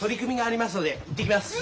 行ってきます。